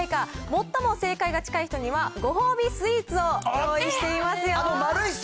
最も正解が近い方には、ご褒美スイーツを用意してますよ。